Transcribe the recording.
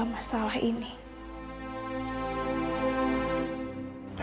ini mungkin afian saya